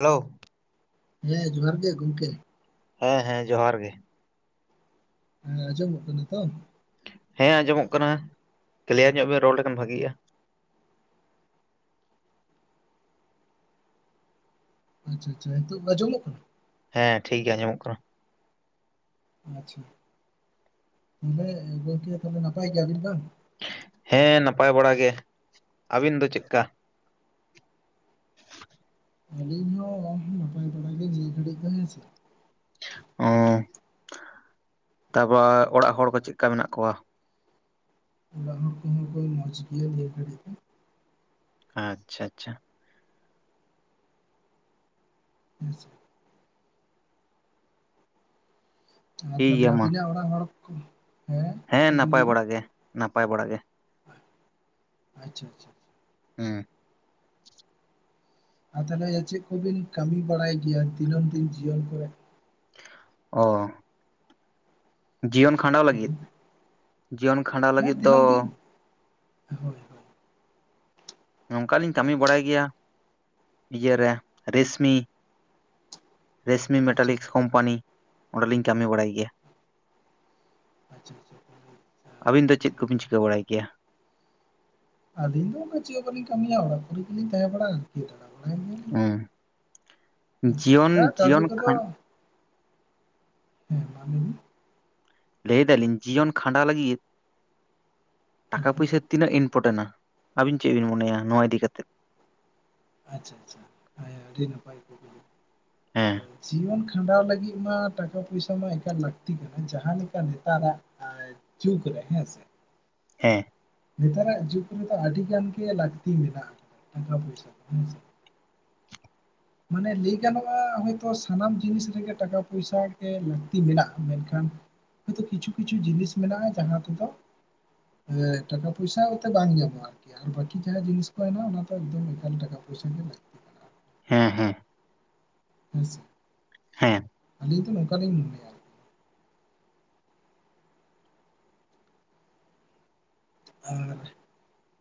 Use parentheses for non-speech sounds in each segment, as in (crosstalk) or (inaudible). Hello ᱦᱮᱸ ᱡᱚᱦᱟᱨ ᱜᱮ ᱜᱚᱝᱠᱮ ᱾ ᱦᱮᱸ ᱦᱮᱸ ᱡᱚᱦᱟᱨ ᱜᱮ ᱾ ᱦᱮᱸ ᱟᱡᱚᱢᱚᱜ ᱠᱟᱱᱟ ᱛᱚ? ᱦᱮᱸ ᱟᱸᱡᱚᱢᱚᱜ ᱠᱟᱱᱟ ᱠᱞᱤᱭᱟᱨ ᱧᱚᱜ ᱵᱮᱱ ᱨᱚᱲ ᱞᱮᱠᱷᱟᱱ ᱵᱷᱟᱜᱤᱜᱼᱟ ᱾ ᱟᱪᱪᱷᱟ ᱟᱪᱪᱷᱟ ᱦᱮᱸᱛᱚᱜ ᱡᱚᱢᱚᱜ ᱠᱟᱱᱟ? ᱦᱮᱸ ᱴᱷᱤᱠ ᱜᱮᱭᱟ ᱟᱸᱚᱢᱚᱜ ᱠᱟᱱᱟ ᱾ ᱟᱪᱪᱷᱟ ᱛᱟᱦᱚᱞᱮ ᱜᱚᱝᱠᱮ ᱛᱟᱦᱚᱞᱮ ᱱᱟᱯᱟᱭ ᱜᱮᱭᱟᱵᱤᱱ ᱛᱚ? ᱦᱮᱸ ᱱᱟᱯᱟᱭ ᱵᱟᱲᱟ ᱜᱮ ᱟᱹᱵᱤᱱ ᱫᱚ ᱪᱮᱜᱠᱟ? ᱟᱹᱞᱤᱧ ᱦᱚᱸ ᱱᱟᱯᱟᱭ ᱵᱟᱲᱟ ᱜᱮ ᱱᱤᱭᱟᱹ ᱜᱷᱟᱹᱲᱤᱡ ᱫᱚ ᱦᱮᱸᱥᱮ? ᱚᱸ ᱛᱟᱯᱚᱨ ᱚᱲᱟᱜ ᱦᱚᱲ ᱠᱚ ᱪᱮᱜᱠᱟ ᱢᱮᱱᱟᱜ ᱠᱚᱣᱟ? ᱚᱲᱟᱜ ᱦᱚᱲ ᱠᱚᱦᱚᱸ ᱠᱚ ᱢᱚᱡ‌ᱜᱮᱭᱟ ᱱᱤᱭᱟᱹ ᱜᱷᱟᱲᱤᱡ ᱫᱚ ᱟᱪᱪᱷᱟ ᱟᱪᱪᱷᱟ (unintelligible) ᱟᱨ ᱴᱷᱤᱠ ᱛᱟᱦᱚᱞᱮ ᱜᱮᱭᱟ ᱢᱟ ᱟᱵᱤᱱᱟᱜ ᱚᱲᱟᱜ ᱦᱚᱲ ᱠᱚ ᱦᱮᱸ ᱪᱮᱫ ᱵᱤᱱ ᱱᱟᱯᱟᱭ ᱞᱟᱹᱭ ᱮᱫᱟ ᱵᱟᱲᱟ ᱜᱮ ᱱᱟᱯᱟᱭ ᱵᱟᱲᱟ ᱜᱮ ᱾ ᱟᱪᱪᱷᱟ ᱟᱪᱪᱷᱟ ᱦᱩᱸ ᱟᱨ ᱛᱟᱦᱚᱞᱮ ᱪᱮᱫ ᱠᱚᱵᱤᱱ ᱠᱟᱹᱢᱤ ᱵᱟᱲᱟᱭ ᱜᱮᱭᱟ ᱫᱤᱱᱟᱹᱢ ᱫᱤᱱ ᱡᱤᱭᱚᱱ ᱠᱚᱨᱮ? ᱚ ᱡᱤᱭᱚᱱ ᱠᱷᱟᱸᱰᱟᱣ ᱦᱳᱭ ᱞᱟᱹᱜᱤᱫ ᱡᱤᱭᱚᱱ ᱠᱷᱟᱸᱰᱟᱣ ᱞᱟᱹᱜᱤᱫ ᱦᱮᱸ ᱫᱚ ᱫᱤᱱᱟᱹᱢ ᱫᱤᱱ, ᱦᱳᱭᱼᱼ ᱱᱚᱝᱠᱟᱞᱤᱧ ᱠᱟᱹᱢᱤ ᱵᱟᱲᱟᱭ ᱜᱮᱭᱟ ᱤᱭᱮ ᱨᱮ ᱨᱮᱥᱢᱤ ᱼᱼ ᱨᱮᱥᱢᱤ ᱟᱪᱪᱷᱟ ᱢᱮᱴᱟᱞᱤᱠᱥ ᱟᱪᱪᱷᱟ ᱠᱳᱢᱯᱟᱱᱤ ᱚᱸᱰᱮ ᱞᱤᱧ ᱠᱟᱹᱢᱤ ᱵᱟᱲᱟᱭ ᱜᱮᱭᱟ᱾ ᱟᱪᱪᱷᱟ ᱟᱪᱪᱷᱟ ᱟᱹᱵᱤᱱ ᱫᱚ ᱟᱹᱰᱤ ᱪᱮᱫ ᱠᱚᱵᱤᱱ ᱱᱟᱯᱟᱭ ᱪᱤᱠᱟᱹ ᱠᱟᱛᱷᱟ ᱜᱮ ᱵᱟᱲᱟᱭ ᱜᱮᱭᱟ? ᱟᱹᱞᱤᱧ ᱫᱚ ᱩᱱᱟᱹᱜ ᱪᱮᱜ ᱪᱮᱜ ᱦᱚᱸ ᱵᱟᱹᱞᱤᱧ ᱠᱟᱹᱢᱤᱭᱟ ᱚᱲᱟᱜ ᱠᱚᱨᱮ ᱜᱮᱞᱤᱧ ᱛᱟᱦᱮᱸ ᱵᱟᱲᱟᱜᱼᱟ ᱾ ᱦᱩᱸ ᱦᱮᱸᱥᱮ ᱡᱤᱭᱚᱱ ᱚᱱᱠᱟ ᱠᱟᱹᱣᱰᱤ ᱡᱤᱭᱚᱱ ᱠᱚᱫᱚ ᱠᱷᱟᱱᱼᱼ ᱦᱮᱸ ᱢᱟ ᱞᱮᱵᱤᱱ ᱞᱟᱹᱭ ᱮᱫᱟᱞᱤᱧ ᱡᱤᱭᱚᱱ ᱠᱷᱟᱸᱰᱟ ᱞᱟᱹᱜᱤᱫ ᱴᱟᱠᱟ ᱦᱮᱸ ᱯᱩᱭᱥᱟᱹᱼᱼ ᱛᱤᱱᱟᱹᱜ ᱤᱱᱯᱚᱴᱮᱱᱴᱼ ᱟ ᱟᱵᱤᱱ ᱪᱮᱜ ᱵᱤᱱ ᱢᱚᱱᱮᱭᱟ ᱱᱚᱣᱟ ᱤᱫᱤ ᱠᱟᱛᱮᱫ? ᱟᱪᱪᱷᱟ ᱟᱪᱪᱷᱟ ᱦᱮᱸ ᱟᱹᱰᱤ ᱱᱟᱯᱟᱭ ᱠᱩᱠᱞᱤ, ᱦᱮᱸ ᱡᱤᱭᱚᱱ ᱠᱷᱟᱸᱰᱟᱣ ᱞᱟᱹᱜᱤᱜ ᱢᱟ ᱴᱟᱠᱟ ᱯᱚᱭᱥᱟ ᱢᱟ ᱮᱠᱟᱞ ᱞᱟᱹᱠᱛᱤ ᱠᱟᱱᱟ ᱡᱟᱸᱦᱟ ᱞᱮᱠᱟ ᱱᱮᱛᱟᱨᱟᱜ ᱼᱼ ᱡᱩᱠ ᱨᱮ ᱦᱮᱸ ᱥᱮ ᱦᱮᱸ᱾ ᱱᱮᱛᱟᱨᱟᱜ ᱡᱩᱜᱽ ᱨᱮᱫᱚ ᱟᱹᱰᱤ ᱜᱟᱱ ᱜᱮ ᱞᱟᱹᱠᱛᱤ ᱢᱮᱱᱟᱜᱼᱟ, ᱴᱟᱠᱟ ᱯᱚᱭᱥᱟ ᱦᱮᱸᱥᱮ᱾ ᱢᱟᱱᱮ ᱞᱟᱹᱭ ᱜᱟᱱᱚᱜᱼᱟ, ᱦᱚᱭᱼᱛᱳ ᱥᱟᱱᱟᱢ ᱡᱤᱱᱤᱥ ᱨᱮᱜᱮ ᱴᱟᱠᱟ ᱯᱚᱭᱥᱟ ᱞᱟᱹᱠᱛᱤ ᱢᱮᱱᱟᱜᱼᱟ, ᱢᱮᱱᱠᱷᱟᱱ ᱦᱚᱭᱼᱛᱚ ᱠᱤᱱᱛᱩ ᱠᱤᱪᱷᱩ ᱠᱤᱪᱷᱩ ᱡᱤᱱᱤᱥ ᱢᱮᱱᱟᱜᱼᱟ, ᱡᱟᱦᱟᱸ ᱠᱚᱫᱚ ᱦᱮᱸ ᱴᱟᱠᱟ ᱯᱚᱭᱥᱟ ᱚᱛᱮ ᱵᱟᱝ ᱧᱟᱢᱚ ᱟᱨᱠᱤ᱾ ᱟᱨ ᱵᱟᱠᱤ ᱡᱟᱦᱟᱸ ᱡᱤᱱᱤᱥ ᱠᱚ ᱦᱮᱱᱟᱜᱼᱟ, ᱚᱱᱟ ᱫᱚ ᱮᱠᱫᱚᱢ ᱮᱠᱟᱞ ᱴᱟᱠᱟ ᱯᱚᱭᱥᱟ ᱜᱮ ᱞᱟᱹᱠᱛᱤ ᱜᱮᱭᱟ᱾ ᱦᱮᱸ ᱦᱮᱸ᱾ ᱦᱮᱸᱥᱮ᱾ ᱦᱮᱸ᱾ ᱟᱹᱞᱤᱧ ᱫᱚ ᱱᱚᱝᱠᱟ ᱞᱤᱧ (unintelligible) ᱟᱨ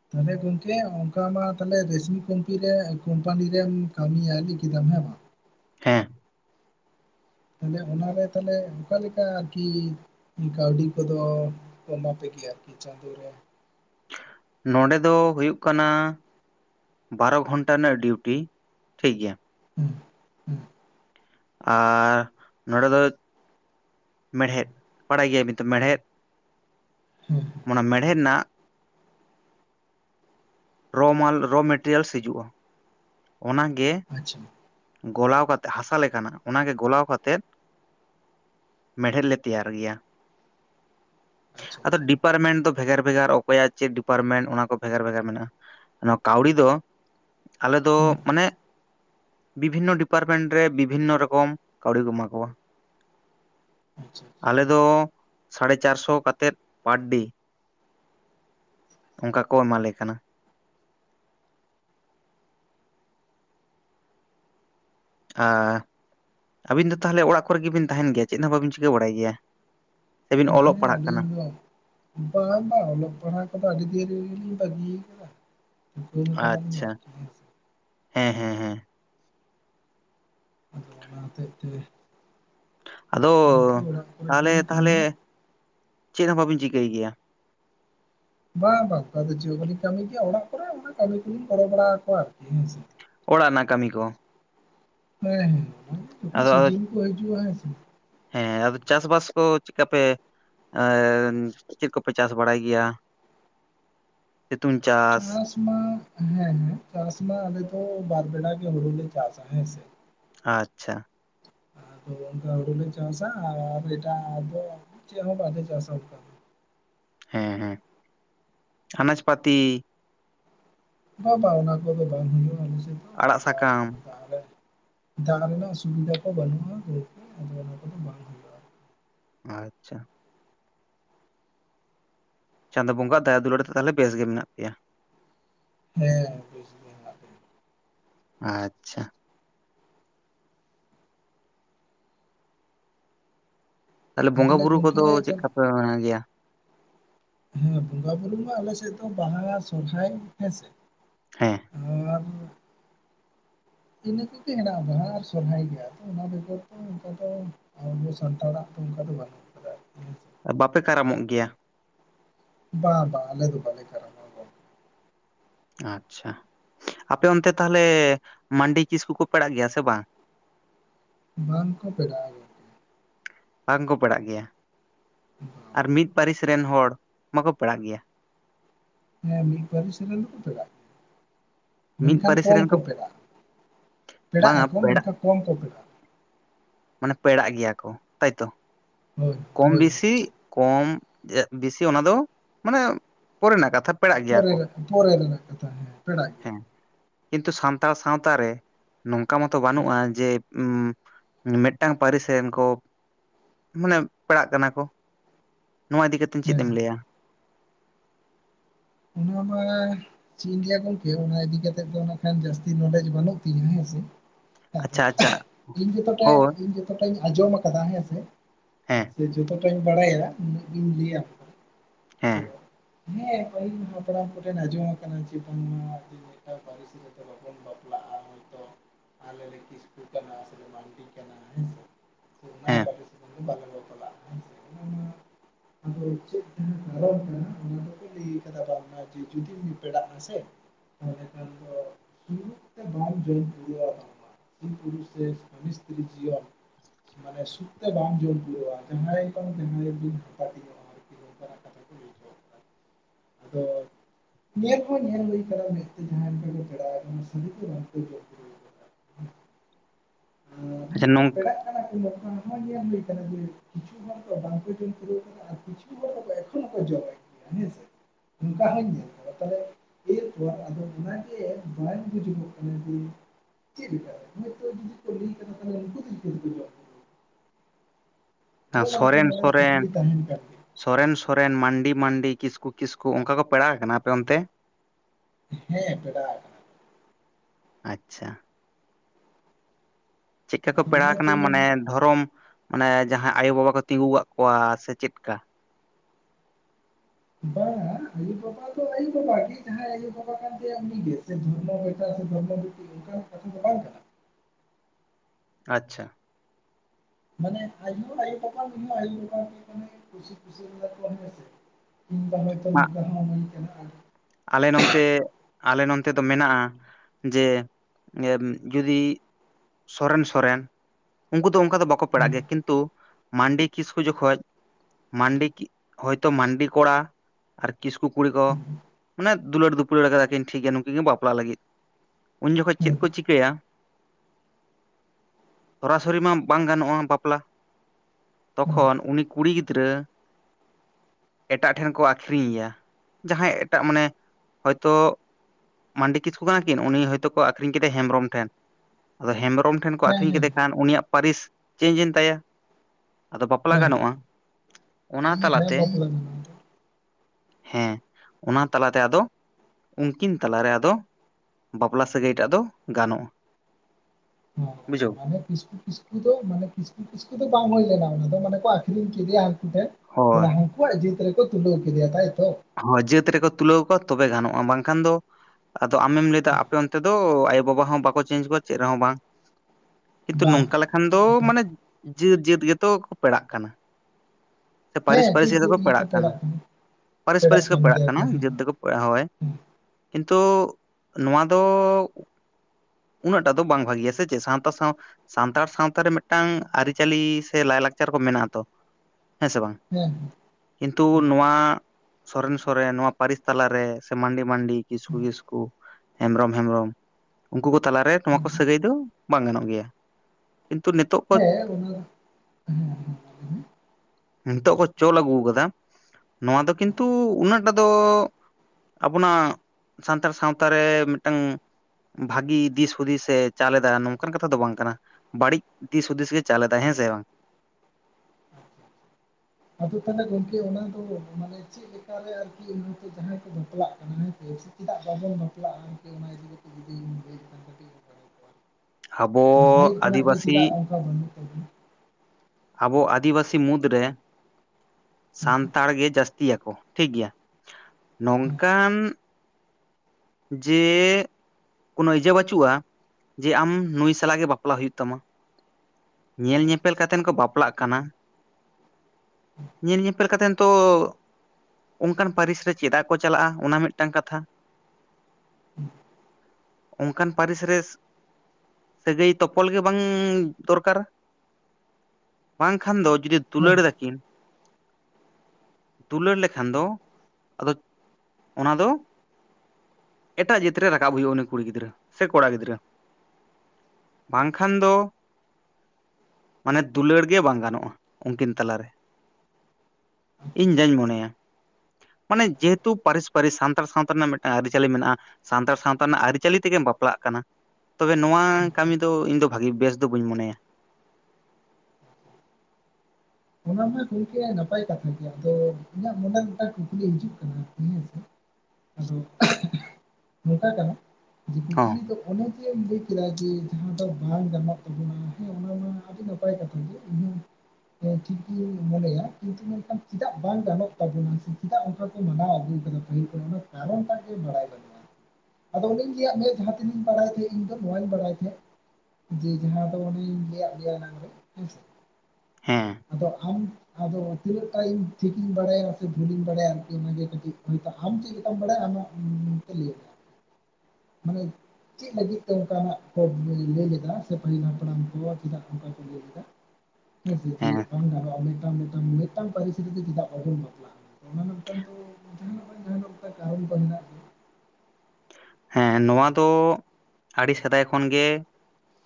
ᱛᱟᱦᱚᱞᱮ ᱜᱚᱝᱠᱮ ᱚᱱᱠᱟ ᱢᱟ ᱛᱟᱦᱚᱞᱮ ᱨᱮᱥᱢᱤ ᱠᱚᱢᱯᱤᱭᱮ ᱠᱳᱢᱯᱟᱱᱤᱨᱮᱢ ᱠᱟᱹᱢᱤ ᱟᱭ ᱞᱮᱭ ᱠᱤᱫᱟᱢ ᱦᱮᱸ ᱵᱟᱝ? ᱦᱮᱸ᱾ ᱛᱟᱦᱚᱞᱮ ᱚᱱᱟ ᱨᱮ ᱛᱟᱦᱚᱞᱮ ᱚᱠᱟ ᱞᱮᱠᱟ ᱟᱨᱠᱤ ᱠᱟᱹᱣᱰᱤ ᱠᱚᱫᱚ ᱮᱢᱟ ᱯᱮ ᱜᱮᱭᱟ ᱟᱨᱠᱤ ᱪᱟᱸᱫᱳ ᱨᱮ? ᱱᱚᱰᱮ ᱫᱚ ᱦᱩᱭᱩᱜ ᱠᱟᱱᱟ ᱵᱟᱨᱚ ᱜᱷᱚᱱᱴᱟ ᱨᱮᱱᱟᱜ ᱰᱤᱭᱩᱴᱤ ᱴᱷᱤᱠ ᱜᱮᱭᱟ᱾ ᱦᱩᱸ᱾ ᱟᱨ ᱱᱚᱰᱮ ᱫᱚ, ᱢᱮᱲᱦᱮᱫ ᱵᱟᱲᱟᱭ ᱜᱮᱭᱟ ᱵᱤᱱᱛᱚᱜ ᱢᱮᱲᱦᱮᱫ ᱦᱩᱸ᱾ ᱚᱱᱟ ᱢᱮᱬᱦᱮᱫ ᱨᱮᱱᱟᱜ ᱨᱚ ᱢᱟᱞ ᱨᱚ ᱢᱮᱴᱮᱨᱤᱭᱟᱞᱥ ᱦᱤᱡᱩᱜᱼᱟ ᱚᱱᱟᱜᱮ ᱟᱪᱪᱷᱟ ᱜᱚᱞᱟᱣ ᱠᱟᱛᱮᱜ ᱦᱟᱥᱟᱞ ᱞᱮᱠᱟ ᱱᱟᱜ᱾ ᱚᱱᱟᱜᱮ ᱜᱚᱞᱟᱣ ᱠᱟᱛᱮᱜ ᱢᱮᱲᱦᱮᱫ ᱞᱮ ᱛᱮᱭᱟᱨ ᱜᱮᱭᱟ᱾ ᱟᱪᱪᱷᱟ ᱟᱫᱚ ᱟᱪᱪᱷᱟ ᱰᱤᱯᱟᱨᱢᱮᱱᱴ ᱫᱚ ᱵᱷᱮᱜᱟᱨ ᱵᱷᱮᱜᱟᱨ ᱚᱠᱚᱭᱟᱜ ᱪᱮᱫ ᱰᱤᱯᱟᱨᱴᱢᱮᱱᱴ? ᱚᱱᱟ ᱠᱚ ᱵᱷᱮᱜᱟᱨ ᱵᱷᱮᱜᱟᱨ ᱢᱮᱱᱟᱜᱼᱟ᱾ ᱱᱚᱣᱟ ᱠᱟᱹᱣᱰᱤ ᱫᱚ ᱟᱞᱮ ᱫᱚ ᱦᱮᱸ ᱢᱟᱱᱮ ᱵᱤᱵᱷᱤᱱᱱᱚ ᱰᱤᱯᱟᱨᱢᱮᱱᱴ ᱨᱮ ᱵᱤᱵᱷᱤᱱᱱᱚ ᱨᱚᱠᱚᱢ ᱠᱟᱹᱣᱰᱤ ᱠᱚ ᱮᱢᱟ ᱠᱚᱣᱟ᱾ ᱟᱪᱪᱷᱟ ᱟᱞᱮ ᱟᱪᱪᱷᱟ ᱫᱚ ᱥᱟᱲᱮ ᱪᱟᱨᱥᱚ ᱠᱟᱛᱮᱜ ᱯᱟᱨᱰᱮ᱾ ᱚᱱᱠᱟ ᱠᱚ ᱮᱢᱟ ᱞᱮ ᱠᱟᱱᱟ᱾ ᱟᱸ ᱟᱵᱤᱱ ᱫᱚ ᱛᱟᱦᱚᱞᱮ ᱚᱲᱟᱜ ᱠᱚᱨᱮ ᱜᱮᱵᱤᱱ ᱛᱟᱦᱮᱱ ᱜᱮᱭᱟ ᱪᱮᱫ ᱦᱚᱸ ᱵᱟᱹᱵᱤᱱ ᱪᱤᱠᱟᱹ ᱵᱟᱲᱟᱭ ᱜᱮᱭᱟ᱾ ᱥᱮᱵᱤᱱ ᱚᱞᱚᱜ ᱦᱮᱸ ᱯᱟᱲᱦᱟᱜ ᱠᱟᱱᱟ? ᱟᱹᱞᱤᱧ ᱫᱚ ᱵᱟᱝ ᱵᱟᱝ ᱚᱞᱚᱜ ᱯᱟᱲᱦᱟᱜ ᱠᱚᱫᱚ ᱟᱰᱤ ᱫᱤᱱ ᱨᱮᱜᱮᱞᱤᱧ ᱵᱟᱹᱜᱤ ᱟᱠᱟᱫᱟ᱾ ᱡᱚᱢ ᱠᱟᱫᱟᱞᱤᱧ ᱟᱪᱪᱷᱟ, ᱟᱨᱠᱤ ᱦᱮᱸᱥᱮ ᱦᱮᱸ ᱦᱮᱸ ᱦᱮᱸ᱾ ᱚᱱᱟ ᱦᱚᱛᱮᱛ ᱛᱮ ᱟᱫᱚ ᱱᱤᱛ ᱫᱚ ᱚᱲᱟᱜ ᱠᱚᱨᱮ ᱛᱟᱦᱞᱮ ᱜᱮᱞᱤᱧ ᱛᱟᱦᱞᱮ ᱛᱟᱦᱮᱱᱟ ᱪᱮᱫ ᱦᱚᱸ ᱵᱟᱹᱵᱤᱱ ᱪᱤᱠᱟᱹᱭ ᱜᱮᱭᱟ? ᱵᱟᱝ ᱵᱟᱝ ᱟᱫᱚ ᱪᱮᱫ ᱦᱚ ᱵᱟᱞᱤᱧ ᱠᱟᱹᱢᱤ ᱜᱮᱭᱟ᱾ ᱚᱲᱟᱜ ᱠᱚᱨᱮ ᱚᱱᱟ ᱠᱟᱹᱢᱤ ᱠᱚᱞᱤᱧ ᱜᱚᱲᱚ ᱵᱟᱲᱟ ᱟᱠᱚᱣᱟ ᱟᱨᱠᱤ ᱦᱮᱸ ᱥᱮ᱾ ᱚᱲᱟᱜ ᱨᱮᱱᱟᱜ ᱠᱟᱢᱤ ᱠᱚ᱾ ᱦᱮᱸ ᱦᱮᱸ ᱛᱚᱠᱷᱚᱱ ᱟᱫᱚ ᱟᱫᱚ ᱥᱤᱡᱤᱱ ᱠᱚ ᱦᱤᱡᱩᱜᱼᱟ ᱦᱮᱸᱥᱮ᱾ ᱦᱮᱸ ᱟᱫᱚ ᱪᱟᱥᱵᱟᱥ ᱠᱚ ᱪᱮᱫᱠᱟ ᱯᱮ ᱮ ᱪᱮᱫ ᱠᱚᱯᱮ ᱪᱟᱥ ᱵᱟᱲᱟᱭ ᱜᱮᱭᱟ ᱥᱤᱛᱩᱝ ᱪᱟᱥ? ᱢᱟ ᱦᱮᱸ ᱪᱟᱥ ᱢᱟ ᱟᱞᱮ ᱫᱚ ᱵᱟᱨ ᱵᱮᱲᱟ ᱜᱮ ᱦᱚᱲᱩᱞᱮ ᱪᱟᱥᱟ ᱦᱮᱸ ᱥᱮ᱾ ᱟᱪᱪᱷᱟ᱾ ᱦᱳᱭ ᱚᱱᱠᱟ ᱦᱚᱲᱩᱞᱮ ᱪᱟᱥᱟ ᱟᱨ ᱮᱴᱟᱜᱫᱚ ᱪᱮᱫ ᱦᱚᱸ ᱵᱟᱞᱮ ᱪᱟᱥᱟ ᱚᱱᱠᱟ᱾ ᱦᱮᱸ ᱦᱮᱸ ᱟᱱᱟᱡ-ᱯᱟᱛᱤ᱾ ᱵᱟ ᱵᱟ ᱵᱟᱝ ᱚᱱᱟ ᱠᱚᱫᱚ ᱵᱟᱝ ᱦᱩᱭᱩᱜᱼᱟ, ᱟᱞᱮ ᱥᱮᱫ ᱫᱚ ᱟᱲᱟᱜ ᱚᱱᱠᱟ ᱥᱟᱠᱟᱢ ᱛᱟᱦᱚᱞᱮ ᱫᱟᱜ ᱨᱮᱱᱟᱜ ᱥᱩᱵᱤᱫᱟ ᱠᱚ ᱵᱟᱹᱱᱩᱜᱼᱟ, ᱦᱩᱸ ᱠᱚ ᱟᱫᱚ ᱚᱱᱟ ᱠᱚᱫᱚ ᱵᱟᱝ ᱦᱳᱭᱳᱜᱼᱟ᱾ ᱟᱪᱪᱷᱟ ᱾ ᱪᱟᱸᱫᱳ ᱵᱚᱸᱜᱟ ᱟᱜ ᱫᱟᱭᱟ ᱫᱩᱞᱲᱟᱹᱲ ᱛᱮ ᱛᱟᱦᱞᱮ ᱵᱮᱥ ᱜᱮ ᱢᱮᱱᱟᱜ ᱯᱮᱭᱟ᱾ ᱦᱮᱸ ᱵᱮᱥ ᱜᱮ ᱦᱮᱱᱟᱜ ᱞᱮᱭᱟ ᱾ ᱟᱪᱪᱷᱟ ᱾ ᱛᱟᱦᱚᱞᱮ ᱞᱤᱧᱟ ᱵᱚᱸᱜᱟ ᱵᱩᱨᱩ ᱠᱚᱫᱚ ᱜᱚᱝᱠᱮ ᱪᱮᱫ ᱞᱮᱠᱟ ᱯᱮ ᱢᱟᱱᱟᱣ ᱜᱮᱭᱟ? ᱦᱮᱸ ᱵᱚᱸᱜᱟ ᱵᱩᱨᱩ ᱢᱟ ᱟᱞᱮ ᱥᱮᱫ ᱫᱚ ᱵᱟᱦᱟ ᱥᱚᱨᱦᱟᱭ ᱦᱮᱸ ᱥᱮ ᱾ ᱦᱮᱸ᱾ ᱤᱱᱟᱹ ᱠᱚᱜᱮ ᱦᱮᱱᱟᱜᱼᱟ, ᱵᱟᱦᱟ ᱟᱨ ᱥᱚᱨᱦᱟᱭ ᱜᱮᱭᱟ ᱚᱱᱟ ᱵᱮᱜᱚᱨ ᱫᱚ ᱚᱱᱠᱟ ᱫᱚ ᱟᱵᱚ ᱥᱟᱱᱛᱟᱲᱟᱹᱜ ᱫᱚ ᱚᱱᱠᱟ ᱫᱚ ᱵᱟᱹᱱᱩᱜᱼᱟ ᱾ ᱵᱟᱯᱮ ᱠᱟᱨᱟᱢᱚᱜ ᱜᱮᱭᱟ? ᱵᱟ ᱵᱟᱝ ᱟᱞᱮ ᱫᱚ ᱵᱟᱞᱮ ᱠᱟᱨᱟᱢᱚᱜᱼᱟ᱾ ᱟᱪᱪᱷᱟ ᱟᱯᱮ ᱚᱱᱛᱮ ᱛᱟᱦᱚᱞᱮ ᱢᱟᱹᱱᱰᱤ ᱠᱤᱥᱠᱩᱸ ᱠᱚᱠᱚ ᱯᱮᱲᱟᱜ ᱜᱮᱭᱟ ᱥᱮ ᱵᱟᱝ? (inaudible) ᱵᱟᱝ ᱠᱚ ᱯᱮᱲᱟᱜᱼᱟ ᱾ ᱵᱟᱝ ᱠᱚ ᱯᱮᱲᱟᱜᱼᱟ ᱜᱮᱭᱟ ᱵᱟᱝ ᱟᱨ ᱢᱤᱫ ᱯᱟᱹᱨᱤᱥ ᱨᱮᱱ ᱦᱚᱲ ᱵᱟᱠᱚ ᱯᱮᱲᱟᱜ ᱜᱮᱭᱟ ᱾ ᱦᱮᱸ ᱢᱤᱫ ᱯᱟᱹᱨᱤᱥ ᱨᱮᱱ ᱠᱚ ᱯᱮᱲᱟᱜ ᱾ ᱢᱤᱫ ᱢᱮᱱᱠᱷᱟᱱ ᱯᱟᱹᱨᱤᱥ ᱠᱚᱢ ᱨᱮᱱ ᱠᱚ ᱯᱮᱲᱟᱜᱼᱟ, ᱯᱮᱲᱟᱜ ᱵᱟᱝᱟ ᱟᱠᱚ ᱯᱮᱲᱟᱜ ᱢᱮᱱᱠᱷᱟᱱ ᱠᱚᱢ ᱠᱚ ᱯᱮᱲᱟᱜᱼᱟ᱾ ᱢᱟᱱᱮ ᱯᱮᱲᱟᱜᱼᱟ ᱜᱮᱭᱟ ᱠᱚ ᱛᱟᱭ ᱛᱚ ᱾ ᱦᱳᱭ ᱠᱚᱢ ᱦᱳᱭ ᱵᱤᱥᱤ ᱦᱳᱭ ᱠᱚᱢ ᱵᱤᱥᱤ ᱚᱱᱟ ᱫᱚ ᱢᱟᱱᱮ ᱯᱚᱨᱮᱱᱟᱜ ᱠᱟᱛᱷᱟ ᱯᱮᱲᱟᱜ ᱜᱮᱭᱟ ᱯᱚᱨᱮ ᱠᱚ ᱨᱮ ᱯᱚᱨᱮ ᱨᱮᱱᱟᱜ ᱠᱟᱛᱷᱟ ᱦᱮᱸ ᱯᱮᱲᱟᱜ ᱜᱮᱭᱟ ᱦᱮᱸ ᱾ ᱠᱤᱱᱛᱩ ᱥᱟᱱᱛᱟᱲ ᱥᱟᱶᱛᱟᱨᱮ ᱱᱚᱝᱠᱟ ᱢᱟᱛᱚ ᱠᱚ ᱦᱮᱸ ᱵᱟᱹᱱᱩᱜᱼᱟ ᱡᱮ ᱦᱩᱸ ᱢᱤᱫᱴᱟᱝ ᱯᱟᱹᱨᱤᱥ ᱨᱮᱱ ᱠᱚ ᱢᱟᱱᱮ ᱯᱮᱟᱲᱟᱜ ᱠᱟᱱᱟ ᱠᱚ ᱾ ᱱᱚᱣᱟ ᱤᱫᱤ ᱠᱟᱛᱮ ᱪᱮᱫ ᱦᱮᱸ ᱮᱢ ᱦᱮᱸ᱾ ᱞᱟᱹᱭᱟ ᱾ ᱚᱱᱟ ᱢᱟ ᱪᱮᱫ ᱤᱧ ᱞᱟᱹᱭᱟ ᱜᱚᱝᱠᱮ ᱚᱱᱟ ᱤᱫᱤ ᱠᱟᱛᱮᱜ ᱫᱚ ᱚᱱᱟ ᱠᱷᱟᱱ ᱡᱟᱹᱥᱛᱤ ᱱᱚᱞᱮᱡᱽ ᱵᱟᱹᱱᱩᱜ ᱛᱤᱧᱟᱹ ᱦᱮᱸ ᱥᱮ ᱾ ᱟᱪᱪᱷᱟ ᱟᱪᱪᱷᱟ ᱤᱧ ᱡᱚᱛᱚᱴᱟ, ᱦᱳᱭ ᱤᱧ ᱡᱚᱛᱚ ᱡᱚᱛᱚᱴᱟᱧ ᱟᱸᱡᱚᱢ ᱟᱠᱟᱫᱟ ᱦᱮᱸ ᱦᱮᱸ ᱥᱮ ᱡᱚᱛᱚ ᱵᱟᱲᱟᱭᱟ ᱩᱱᱟᱹᱜ ᱜᱤᱧ ᱞᱟᱹᱭᱟ ᱦᱮᱸ ᱦᱮᱸ ᱾ ᱯᱟᱹᱦᱤᱞ ᱦᱟᱯᱲᱟᱢ ᱠᱚᱴᱷᱮᱱ ᱟᱡᱚᱢ ᱟᱠᱟᱱᱟ ᱵᱟᱝ ᱢᱟ ᱢᱤᱫ ᱯᱟᱹᱨᱤᱥ ᱨᱮ ᱵᱟᱵᱚᱱ ᱵᱟᱯᱞᱟᱜᱼᱟ ᱱᱤᱛᱚᱜ ᱟᱞᱮ ᱠᱤᱥᱠᱩ ᱠᱟᱱᱟ ᱥᱮ ᱢᱟᱹᱱᱰᱤ ᱠᱟᱱᱟ ᱦᱮᱸ ᱥᱮ ᱾ ᱚᱱᱟ ᱦᱮᱸ ᱠᱟᱹᱴᱤᱡ ᱪᱩᱞᱩᱝ ᱵᱟᱝ ᱞᱮ ᱵᱚᱛᱚᱨᱚᱜᱼᱟ ᱦᱮᱸ ᱥᱮ ᱾ (inaudible) ᱵᱟᱝ ᱢᱟ ᱡᱩᱫᱤ ᱯᱮᱲᱟᱜᱼᱟ ᱥᱮ ᱾ (inaudible) ᱛᱤᱨᱤᱯᱩᱨᱩᱥ ᱥᱮ ᱥᱟᱢᱤ ᱤᱥᱛᱨᱤ ᱡᱤᱭᱚᱱ ᱢᱟᱱᱮ ᱥᱩᱠᱛᱮ ᱵᱟᱢ ᱡᱚᱢ ᱡᱟᱦᱟᱸᱭ ᱵᱟᱝ ᱦᱩᱭᱩᱜᱼᱟ᱾ᱡᱟᱹᱦᱟᱭ ᱵᱟᱝ ᱡᱟᱦᱟᱭ ᱠᱤᱱ ᱦᱟᱯᱟᱴᱤᱧ ᱫᱚ ᱧᱮᱞ ᱦᱚᱸ ᱧᱮᱞ ᱦᱩᱭ ᱟᱠᱟᱱᱟ ᱡᱮᱦᱮᱛᱮ ᱡᱟᱦᱟᱸ ᱞᱮᱠᱟ ᱠᱚ ᱯᱮᱲᱟ ᱟᱠᱟᱱᱟ (inaudible) ᱟᱨ ᱟᱪᱪᱷᱟ ᱢᱤᱫᱴᱟᱱ ᱱᱚᱝᱠᱟ ᱯᱮᱲᱟᱜ ᱠᱟᱱᱟ ᱠᱚ ᱱᱚᱣᱟ ᱱᱚᱜ-ᱚᱭ ᱟᱠᱟᱱᱟ ᱡᱮ ᱠᱤᱪᱷᱩ ᱦᱚᱲ ᱫᱚ ᱵᱟᱝ ᱠᱚ ᱡᱚᱢ ᱯᱩᱨᱟᱹᱭ ᱫᱟ ᱾ ᱟᱨ ᱠᱤᱪᱷᱩ ᱦᱚᱲ ᱫᱚ ᱮᱠᱷᱚᱱ ᱦᱚᱸᱠᱚ ᱡᱚᱢᱟᱭ ᱜᱮᱭᱟ ᱦᱮᱸ ᱥᱮ ᱾ ᱱᱚᱝᱠᱟ ᱦᱚᱧ ᱧᱮᱞ ᱠᱮᱫᱟ ᱛᱟᱦᱚᱞᱮ ᱮᱨᱯᱚᱨ ᱟᱫᱚ ᱚᱱᱟ ᱜᱮ ᱵᱟᱝ ᱵᱩᱡᱩᱜᱚᱜ ᱠᱟᱱᱟ ᱡᱮ ᱪᱮᱜ ᱞᱮᱠᱟ ᱨᱮ ᱦᱚᱭ ᱛᱚ ᱡᱩᱫᱤ ᱠᱚ ᱞᱟᱹᱭ ᱪᱮᱫ ᱞᱮᱠᱟᱨᱮ ᱡᱚᱢ ᱾ ᱱᱚᱜᱼᱚ ᱦᱟᱸ ᱱᱚᱣᱟ ᱢᱤᱫᱴᱟᱝ ᱢᱚᱱᱮᱨᱮ ᱥᱚᱨᱮᱱ-ᱥᱚᱨᱮᱱ ᱠᱩᱠᱞᱤ ᱛᱟᱦᱮᱱ ᱠᱟᱱ ᱜᱮᱭᱟ ᱥᱚᱨᱮᱱ-ᱥᱚᱨᱮᱱ ᱢᱟᱱᱰᱤ-ᱢᱟᱱᱰᱤ ᱠᱤᱥᱠᱩ-ᱠᱤᱥᱠᱩ ᱚᱱᱠᱟ ᱠᱚ ᱯᱮᱲᱟ ᱠᱟᱱᱟ ᱟᱯᱮ ᱚᱱᱛᱮ? ᱦᱮᱸ ᱯᱮᱲᱟ ᱠᱟᱱᱟ᱾ ᱟᱪᱪᱷᱟ᱾ ᱪᱮᱜᱠᱟ ᱠᱚ ᱟᱫᱚ ᱯᱮᱲᱟ ᱚᱱᱮ ᱠᱟᱱᱟ ᱢᱟᱱᱮ ᱛᱚᱧ ᱫᱷᱚᱨᱚᱢ ᱢᱟᱱᱮ ᱡᱟᱦᱟᱸᱭ ᱟᱭᱳᱼᱵᱟᱵᱟ ᱠᱚ ᱛᱤᱸᱜᱩ ᱠᱟᱫ ᱠᱚᱣᱟ ᱥᱮ ᱪᱮᱫᱠᱟ? ᱵᱟᱝ ᱟᱭᱳᱼᱵᱟᱵᱟ ᱫᱚ ᱟᱭᱳᱼᱵᱟᱵᱟ ᱜᱮ ᱡᱟᱦᱟᱸᱭ ᱟᱭᱳᱼᱵᱟᱵᱟ ᱠᱟᱱ ᱛᱟᱭᱟ ᱩᱱᱤ ᱜᱮ ᱥᱮ ᱫᱷᱚᱨᱢᱚ ᱵᱮᱴᱟ ᱥᱮ ᱫᱷᱚᱨᱢᱚ ᱵᱯᱴᱤ ᱚᱱᱠᱟᱱ ᱠᱟᱛᱷᱟ ᱫᱟ ᱵᱟᱝ ᱠᱟᱱᱟ᱾ ᱟᱪᱪᱷᱟ᱾ ᱢᱟᱱᱮ ᱟᱭᱩ ᱟᱭᱩ-ᱵᱟᱵᱟ (unintelligible) (unintelligible) ᱟᱨ ᱟᱞᱮ ᱱᱚᱱᱛᱮ ᱟᱞᱮ ᱱᱚᱱᱛᱮ ᱫᱚ ᱢᱮᱱᱟᱜᱼᱟ ᱡᱮ ᱡᱩᱫᱤ ᱥᱚᱨᱮᱱ-ᱥᱚᱨᱮᱱ ᱩᱱᱠᱩ ᱫᱚ ᱚᱱᱠᱟ ᱫᱚ ᱵᱟᱠᱚ ᱯᱮᱲᱟᱜ ᱦᱩᱸ ᱜᱮᱭᱟ ᱠᱤᱱᱛᱩ ᱢᱟᱱᱰᱤ ᱠᱤᱥᱠᱩ ᱡᱚᱠᱷᱚᱡ ᱢᱟᱱᱰᱤ ᱠᱤ ᱦᱚᱭᱛᱚ ᱢᱟᱱᱰᱤ ᱠᱚᱲᱟ ᱟᱨ ᱠᱤᱥᱠᱩ ᱠᱩᱲᱤ ᱠᱚ ᱦᱩᱸᱸ ᱢᱟᱱᱮ ᱫᱩᱞᱟᱹᱲ ᱫᱩᱯᱩᱞᱟᱹᱲ ᱠᱟᱫᱟᱠᱤᱱ ᱴᱷᱤᱠ ᱜᱮᱭᱟ ᱱᱩᱠᱤᱱ ᱠᱤᱱ ᱵᱟᱯᱞᱟᱜ ᱞᱟᱹᱜᱤᱫ ᱩᱱ ᱡᱠᱷᱚᱱ ᱪᱮᱫ ᱦᱮᱸ ᱠᱚ ᱪᱤ ᱠᱟ. ᱭᱟ ᱥᱚᱨᱟᱥᱚᱨᱤ ᱢᱟ ᱵᱟᱝ ᱜᱟᱱᱚᱜᱼᱟ ᱵᱟᱯᱞᱟ ᱦᱮᱸ ᱛᱚᱠᱷᱚᱱ ᱩᱱᱤ ᱠᱩᱲᱤ ᱜᱤᱫᱽᱨᱟᱹ ᱮᱴᱟᱜ ᱴᱷᱮᱱ ᱠᱚ ᱟᱠᱷᱨᱤᱧᱮᱭᱟ, ᱡᱟᱦᱟᱸᱭ ᱮᱴᱟᱜ ᱢᱟᱱᱮ ᱦᱚᱭᱛᱳ ᱢᱟᱱᱰᱤ ᱠᱤᱥᱠᱩ ᱠᱟᱱᱟ ᱠᱤᱱ ᱩᱱᱤ ᱦᱚᱭᱛᱳ ᱠᱚ ᱟᱠᱷᱨᱤᱧ ᱠᱮᱫᱟ ᱦᱮᱢᱵᱨᱚᱢ ᱴᱷᱮᱱ, ᱟᱫᱚ ᱦᱮᱢᱵᱨᱚᱢ ᱴᱷᱮᱱ ᱠᱚ ᱟᱠᱷᱨᱤᱧ ᱠᱮᱫᱮ ᱠᱷᱟᱱ ᱩᱱᱤᱭᱟᱜ ᱯᱟᱹᱨᱤᱥ ᱪᱮᱧᱡᱽ ᱮᱱ ᱛᱟᱭᱟ, ᱟᱫᱚ ᱵᱟᱯᱞᱟ ᱦᱮᱸ ᱦᱮᱸ ᱜᱟᱱᱚᱜᱼᱟ ᱚᱱᱟ ᱦᱮᱸ ᱛᱟᱞᱟᱛᱮ ᱵᱟᱯᱞᱟ ᱢᱮᱱᱟᱜ ᱦᱮᱸ᱾ ᱚᱱᱟ ᱛᱟᱞᱟᱛᱮ ᱟᱫᱚ ᱩᱱᱠᱤᱱ ᱛᱟᱞᱟᱨᱮ ᱟᱫᱚ ᱵᱟᱯᱞᱟ ᱥᱟᱹᱜᱟᱹᱭ ᱴᱟᱜ ᱫᱚ ᱜᱟᱱᱚᱜᱼᱟ᱾ ᱦᱚᱸ ᱵᱩᱡᱷᱟᱹᱣ ᱟᱞᱮ ᱠᱤᱥᱠᱩ ᱠᱤᱥᱠᱩ ᱫᱚ ᱢᱟᱱᱮ ᱠᱤᱥᱠᱩ ᱠᱤᱥᱠᱩ ᱫᱚ ᱵᱟᱝ ᱦᱩᱭ ᱞᱮᱱᱟ ᱚᱱᱟ ᱫᱚ ᱢᱟᱱᱮ ᱠᱚ ᱟᱠᱷᱨᱤᱧ ᱠᱮᱫᱮᱭᱟ ᱢᱟᱱᱮ ᱦᱳᱭ ᱦᱟᱹᱱᱠᱩᱣᱟᱜ ᱡᱟᱹᱛ ᱨᱮᱠᱚ ᱛᱩᱞᱟᱹᱣ ᱠᱮᱫᱮᱭᱟ ᱛᱟᱭᱛᱚ? ᱦᱚᱭ ᱡᱟᱹᱛ ᱨᱮᱠᱚ ᱛᱩᱞᱟᱹᱣ ᱠᱚᱣᱟ ᱛᱚᱵᱮ ᱜᱟᱱᱚᱜᱼᱟ, ᱵᱟᱝᱠᱷᱟᱱ ᱫᱚ ᱟᱫᱚ ᱟᱢᱮᱢ ᱞᱟᱹᱭᱫᱟ ᱵᱟᱝ ᱟᱯᱮ ᱚᱱᱛᱮ ᱫᱚ ᱟᱭᱳᱼᱵᱟᱵᱟ ᱦᱚᱸ ᱵᱟᱠᱚ ᱪᱮᱧᱡᱽ ᱠᱚᱣᱟ ᱪᱮᱫ ᱨᱮᱦᱚᱸ ᱵᱟᱝ, ᱵᱟᱝ ᱠᱤᱱᱛᱩ ᱵᱟᱝ, ᱱᱚᱝᱠᱟ ᱞᱮᱠᱷᱟᱱ ᱫᱚ ᱚᱱᱠᱟ ᱢᱟᱱᱮ ᱡᱟᱹᱛᱼᱡᱟᱹᱛ ᱜᱮᱛᱚ ᱯᱮᱲᱟᱜ ᱠᱟᱱᱟ᱾ ᱥᱮ ᱯᱟᱹᱨᱤᱥ ᱦᱮᱸ ᱯᱟᱹᱨᱤᱥ ᱡᱟᱹᱛ ᱜᱮᱛᱚ ᱠᱚ ᱡᱟᱹᱛ ᱜᱮᱠᱚ ᱯᱮᱲᱟᱜ ᱠᱟᱱᱟ ᱯᱟᱹᱨᱤᱥ ᱯᱟᱹᱨᱤᱥ ᱠᱚ ᱠᱟᱱ ᱯᱮᱲᱟᱜ ᱜᱮᱭᱟ ᱠᱟᱱᱟ ᱦᱮᱸ ᱡᱟᱹᱛ ᱫᱚ ᱦᱳᱭ ᱠᱤᱱᱛᱩ ᱱᱚᱣᱟ ᱫᱚ ᱩᱱᱟᱹᱜ ᱴᱟᱜ ᱫᱚ ᱵᱟᱝ ᱵᱷᱟᱹᱜᱤᱭᱟ ᱥᱮ ᱪᱮᱫ ᱥᱟᱶᱛᱟ ᱥᱟᱶ ᱥᱟᱱᱛᱟᱲ ᱥᱟᱶᱛᱟ ᱨᱮ ᱢᱤᱫᱴᱟᱝ ᱟᱹᱨᱤᱪᱟᱹᱞᱤ ᱥᱮ ᱞᱟᱭᱞᱟᱠᱪᱟᱨ ᱠᱚ ᱢᱮᱱᱟᱜ ᱟᱛᱚ, ᱦᱮᱸ ᱥᱮ ᱵᱟᱝ? ᱦᱮᱸ ᱦᱮᱸ᱾ ᱠᱤᱱᱛᱩ ᱱᱚᱣᱟ ᱥᱚᱨᱮᱱ-ᱥᱚᱨᱮᱱ ᱱᱚᱣᱟ ᱯᱟᱹᱨᱤᱥ ᱛᱟᱞᱟᱨᱮ ᱥᱮ ᱢᱟᱱᱰᱤ-ᱢᱟᱱᱰᱤ ᱠᱤᱥᱠᱩ-ᱠᱤᱥᱠᱩ ᱦᱮᱢᱵᱨᱚᱢ-ᱦᱮᱢᱵᱨᱚᱢ ᱩᱱᱠᱩ ᱠᱚ ᱛᱟᱞᱟᱨᱮ ᱱᱚᱣᱟ ᱦᱮᱸ ᱠᱚ ᱥᱟᱹᱜᱟᱹᱭ ᱫᱚ ᱵᱟᱝ ᱜᱟᱱᱚᱜ ᱜᱮᱭᱟ᱾ ᱠᱤᱱᱛᱩ ᱱᱤᱛᱳᱜ ᱠᱚ ᱦᱮᱸ ᱦᱮᱸ ᱚᱱᱟ ᱦᱮᱸ ᱦᱮᱸ ᱞᱟᱹᱭ ᱢᱮ। ᱱᱤᱛᱚᱜ ᱠᱚ ᱪᱚᱞ ᱟᱹᱜᱩ ᱠᱟᱫᱟ ᱱᱚᱣᱟ ᱫᱚ ᱠᱤᱱ ᱛᱩ ᱩᱱᱟᱹᱜᱴᱟ ᱫᱚ ᱟᱵᱚᱱᱟᱜ ᱥᱟᱱᱛᱟᱲ ᱥᱟᱶᱛᱟ ᱨᱮ ᱢᱤᱫᱴᱟᱝ ᱵᱷᱟᱜᱤ ᱫᱤᱥ-ᱦᱩᱫᱤᱥ ᱮ ᱪᱟᱞ ᱮᱫᱟ ᱱᱚᱝᱠᱟᱱ ᱠᱟᱛᱷᱟ ᱫᱚ ᱵᱟᱝ ᱠᱟᱱᱟ᱾ ᱵᱟᱹᱲᱤᱡ ᱫᱤᱥ ᱦᱩᱫᱤᱥ ᱜᱮ ᱪᱟᱞᱮᱫᱟ ᱦᱮᱸ ᱥᱮ ᱵᱟᱝ ᱾ (inaudible) ᱟᱫᱚ ᱛᱟᱦᱚᱞᱮ ᱜᱚᱝᱠᱮ ᱚᱱᱟ ᱫᱚ ᱢᱟᱱᱮ ᱪᱮᱫ ᱞᱮᱠᱟ ᱨᱮ ᱟᱨᱠᱤ ᱱᱚᱜᱼᱚᱭ ᱡᱮ ᱡᱟᱦᱟᱸᱭ ᱠᱚ ᱵᱟᱯᱞᱟᱜ ᱠᱟᱱᱟ ᱦᱮᱸ ᱥᱮ ᱪᱮᱫᱟᱜ ᱵᱟᱵᱚᱱ ᱵᱟᱯᱞᱟᱜᱼᱟ ᱾ ᱡᱩᱫᱤ ᱵᱤᱱ ᱞᱟᱹᱭ ᱠᱮᱭᱟ ᱠᱟᱹᱴᱤᱡ ᱱᱟᱯᱟᱭ ᱠᱚᱜᱼᱟ ᱟᱵᱚ ᱢᱟᱱᱮ ᱯᱟᱹᱦᱤᱞ ᱠᱷᱚᱱᱟᱜ ᱜᱮ ᱟᱹᱫᱤᱵᱟᱹᱥᱤ (inaudible) ᱟᱵᱚ ᱟᱹᱫᱤᱵᱟᱹᱥᱤ ᱢᱩᱫᱽᱨᱮ ᱦᱮᱸ ᱥᱟᱱᱛᱟᱲ ᱜᱮ ᱡᱟᱹᱥᱛᱤ ᱡᱟᱹᱥᱛᱤᱭᱟᱠᱚ ᱴᱷᱤᱠ ᱜᱮᱭᱟ ᱦᱮᱸ ᱱᱚᱝᱠᱟᱱ ᱡᱮ ᱠᱳᱱᱳ ᱤᱭᱟᱹ ᱵᱟᱹᱪᱩᱜᱼᱟ, ᱡᱮ ᱟᱢ ᱱᱩᱭ ᱥᱟᱞᱟᱜ ᱜᱮ ᱵᱟᱯᱞᱟ ᱦᱩᱭᱩᱜ ᱛᱟᱢᱟ ᱾ ᱧᱮᱞ ᱧᱮᱯᱮᱞ ᱠᱟᱛᱮᱱ ᱠᱚ ᱵᱟᱯᱞᱟᱜ ᱠᱟᱱᱟ᱾ ᱧᱮᱞ ᱧᱮᱯᱮᱞ ᱠᱟᱛᱮᱱ ᱛᱚ ᱚᱱᱠᱟᱱ ᱯᱟᱹᱨᱤᱥ ᱨᱮ ᱪᱮᱫᱟᱜ ᱠᱚ ᱪᱟᱞᱟᱜᱼᱟ ᱚᱱᱟ ᱢᱤᱫᱴᱟᱝ ᱠᱟᱛᱷᱟ ᱾ (inaudible) ᱚᱱᱠᱟᱱ ᱯᱟᱹᱨᱤᱥ ᱨᱮ ᱥᱟᱹᱜᱟᱹᱭ ᱛᱚᱯᱚᱞ ᱜᱮ ᱵᱟᱝ ᱫᱚᱨᱠᱟᱨᱟ ᱾ ᱵᱟᱝ ᱠᱷᱟᱱ ᱫᱚ ᱡᱩᱫᱤ ᱦᱮᱸ ᱫᱩᱞᱟᱹᱲ ᱫᱟᱠᱤᱱ ᱫᱩᱞᱟᱹᱲ ᱞᱮᱠᱷᱟᱱ ᱫᱚ ᱟᱫᱚ ᱚᱱᱟ ᱫᱚ ᱮᱴᱟᱜ ᱡᱟᱹᱛ ᱨᱮ ᱨᱟᱠᱟᱵ ᱦᱩᱭᱩᱜᱼᱟ, ᱩᱱᱤ ᱠᱩᱲᱤ ᱜᱤᱫᱽᱨᱟᱹ ᱥᱮ ᱠᱚᱲᱟ ᱜᱤᱫᱽᱨᱟᱹ ᱾ ᱵᱟᱝ ᱠᱷᱟᱱ ᱫᱚ ᱢᱟᱱᱮ ᱫᱩᱞᱟᱹᱲ ᱜᱮ ᱵᱟᱝ ᱜᱟᱱᱚᱜᱼᱟ, ᱩᱱᱠᱤᱱ ᱛᱟᱞᱟᱨᱮ ᱾ ᱟᱪᱪᱷᱟ ᱤᱧ ᱡᱟᱹᱧ ᱢᱚᱱᱮᱭᱟ᱾ ᱢᱟᱱᱮ ᱡᱮᱦᱮᱛᱩ ᱯᱟᱹᱨᱤᱥ, ᱯᱟᱹᱨᱤᱥ ᱥᱟᱱᱛᱟᱲ ᱥᱟᱶᱛᱟ ᱨᱮᱱᱟᱜ ᱢᱤᱫᱴᱟᱝ ᱟᱹᱨᱤ ᱟᱹᱨᱤᱪᱟᱹᱞᱤ ᱢᱮᱱᱟᱜᱼᱟ, ᱥᱟᱱᱛᱟᱲ ᱥᱟᱶᱛᱟ ᱨᱮᱱᱟᱜ ᱟᱹᱨᱤᱪᱟᱹᱞᱤ ᱛᱮᱜᱮᱢ ᱵᱟᱯᱞᱟᱜ ᱠᱟᱱᱟ ᱾ ᱛᱚᱵᱮ ᱱᱚᱣᱟ ᱟᱪᱪᱷᱟ ᱠᱟᱹᱢᱤ ᱫᱚ ᱤᱧ ᱫᱚ ᱵᱷᱟᱹᱜᱤ ᱵᱮᱥ ᱫᱚ ᱵᱟᱹᱧ ᱢᱚᱱᱮᱭᱟ ᱾ ᱚᱱᱟ ᱢᱟ ᱜᱚᱝᱠᱮ ᱱᱟᱯᱟᱭ ᱠᱟᱛᱷᱟ ᱜᱮᱭᱟ, ᱛᱚ ᱤᱧᱟᱹᱜ ᱢᱚᱱᱮ ᱨᱮ ᱢᱤᱫᱴᱟᱝ ᱠᱩᱠᱞᱤ ᱦᱤᱡᱩᱜ ᱠᱟᱱᱟ ᱟᱨᱠᱤ ᱦᱮᱸ ᱥᱮ ᱾ ᱟᱫᱚ ᱱᱚᱝᱠᱟ ᱠᱟᱱᱟ ᱡᱮ ᱦᱚᱸ ᱠᱩᱠᱞᱤ ᱫᱚ ᱚᱱᱮ ᱡᱮᱢ ᱞᱟᱹᱭ ᱠᱮᱫᱟ ᱡᱮ ᱡᱟᱦᱟᱸ ᱫᱚ ᱵᱟᱝ ᱜᱟᱱᱚᱜ ᱛᱟᱵᱚᱱᱟ ᱦᱮᱸ ᱚᱱᱟ ᱢᱟ ᱟᱹᱰᱤ ᱱᱟᱯᱟᱭ ᱠᱟᱛᱷᱟ ᱜᱮ ᱾ ᱴᱷᱤᱠ ᱜᱤᱧ ᱢᱚᱱᱮᱭᱟ, ᱠᱤᱱᱛᱩ ᱢᱮᱱᱠᱷᱟᱱ ᱪᱮᱫᱟᱜ ᱵᱟᱝ ᱜᱟᱱᱚᱜ ᱛᱟᱵᱚᱱᱟ ᱥᱮ ᱪᱮᱫᱟᱜ ᱚᱱᱠᱟ (inaudible) ᱠᱟᱨᱚᱱ ᱴᱟᱜ ᱪᱮᱫ ᱵᱟᱲᱟᱭ ᱾ (inaudible) ᱟᱫᱚ ᱚᱱᱤᱧ ᱞᱮᱭᱟᱜ ᱢᱮᱭᱟ, ᱡᱟᱦᱟᱸ ᱛᱤᱱᱟᱹᱧ ᱵᱟᱲᱟᱭ ᱛᱟᱦᱮᱸᱜ ᱤᱧ ᱫᱚ ᱱᱚᱣᱟᱧ ᱵᱟᱲᱟᱭ ᱛᱟᱦᱮᱸᱜ ᱾ ᱡᱮ ᱡᱟᱦᱟᱸ ᱫᱚ ᱚᱱᱮᱧ ᱞᱟᱹᱭᱟᱫ ᱞᱮᱭᱟ ᱮᱱᱟᱝ ᱫᱚ ᱦᱮᱸ ᱥᱮ ᱾ ᱦᱮᱸ ᱾ ᱟᱫᱚ ᱟᱢ ᱟᱫᱚ ᱛᱤᱱᱟᱹᱜ ᱴᱟᱜ ᱤᱧ ᱴᱷᱤᱠᱤᱧ ᱵᱟᱲᱟᱭᱟ ᱥᱮ ᱵᱷᱩᱞᱤᱧ ᱵᱟᱲᱟᱭᱟ ᱟᱨᱠᱤ ᱚᱱᱟ ᱜᱮ ᱠᱟᱹᱴᱤᱡ ᱟᱢ ᱪᱤᱠᱟᱢ ᱵᱟᱲᱟᱭᱟ ᱟᱢᱟᱜ (inaudible) (inaudible) ᱢᱟᱱᱮ ᱪᱮᱫ ᱞᱟᱹᱜᱤᱫ ᱛᱮ ᱚᱱᱠᱟᱱᱟᱜ ᱠᱚ ᱞᱟᱹᱭ ᱞᱮᱫᱟ, ᱥᱮ ᱯᱟᱹᱦᱤᱞ ᱦᱟᱯᱲᱟᱢ ᱠᱚ ᱪᱮᱫᱟᱜ ᱚᱱᱠᱟ ᱠᱚ ᱞᱟᱹᱭ ᱞᱮᱫᱟ ᱾ ᱦᱮᱸ ᱥᱮ ᱡᱮ ᱵᱟᱝ ᱜᱟᱱᱚᱜᱼᱟ, ᱢᱤᱫᱴᱟᱝ ᱯᱟ. ᱨᱤᱥ ᱛᱮ ᱪᱮᱫᱟᱜ ᱵᱟᱵᱚᱱ ᱵᱟᱯᱞᱟᱜᱼᱟ᱾ ᱡᱟᱦᱟᱸ ᱵᱟᱝ ᱡᱟᱦᱟᱸᱟᱱᱠᱟ ᱠᱟᱨᱚᱱ ᱢᱮᱱᱟᱜᱼᱟ᱾ ᱦᱮᱸ ᱱᱚᱣᱟ ᱫᱚ ᱟᱹᱰᱤ ᱥᱮᱫᱟᱭ ᱠᱷᱚᱱ ᱜᱮ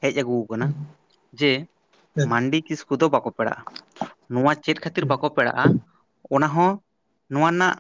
ᱦᱮᱡ ᱟᱹᱜᱩ ᱦᱮᱸ ᱾ ᱡᱮ ᱦᱮᱸ ᱢᱟᱱᱰᱤ ᱠᱤᱥᱠᱩ ᱠᱚᱫᱚ ᱵᱟᱠᱚ ᱯᱮᱲᱟᱜᱼᱟ, ᱱᱚᱣᱟ ᱪᱮᱫ ᱠᱷᱟᱹᱛᱤᱨ ᱦᱮᱸ ᱵᱟᱠᱚ ᱯᱮᱲᱟᱜᱼᱟ, ᱚᱱᱟ ᱦᱚᱸ ᱱᱚᱣᱟ ᱨᱮᱱᱟᱜ